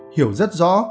hiểu rất rõ